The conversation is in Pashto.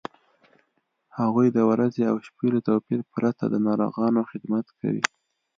هغوی د ورځې او شپې له توپیره پرته د ناروغانو خدمت کوي.